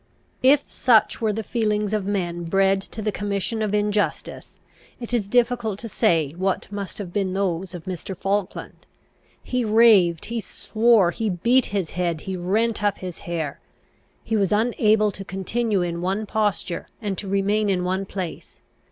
If such were the feelings of men bred to the commission of injustice, it is difficult to say what must have been those of Mr. Falkland. He raved, he swore, he beat his head, he rent up his hair. He was unable to continue in one posture, and to remain in one place.